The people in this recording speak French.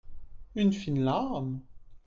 Une fine lame.